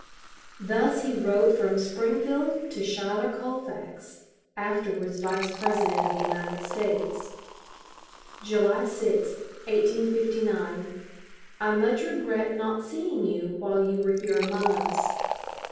Thus he wrote from Springfield to Schuyler Colfax (afterwards Vice President of the United States), July 6, 1859: "I much regret not seeing you while you were here among us.